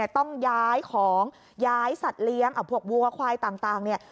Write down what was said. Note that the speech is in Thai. เอ่ยต้องย้ายของย้ายสัตว์เลี้ยงถ้าพวกวัววควายต่างนี้